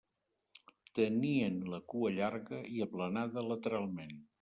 Tenien la cua llarga i aplanada lateralment.